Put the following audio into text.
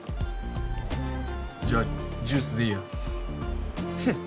じゃあジュースでいいやフン